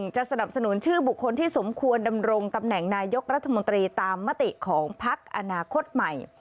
สนับสนุนชื่อบุคคลที่สมควรดำรงตำแหน่งนายกรัฐมนตรีตามมติของพักอนาคตใหม่